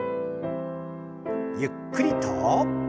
ゆっくりと。